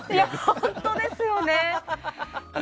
本当ですよね。